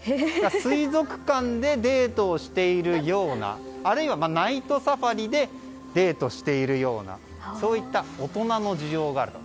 水族館でデートをしているようなあるいはナイトサファリでデートしているようなそういった大人の需要があると。